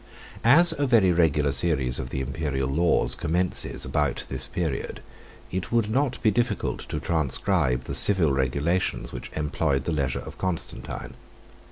As a very regular series of the Imperial laws commences about this period, it would not be difficult to transcribe the civil regulations which employed the leisure of Constantine.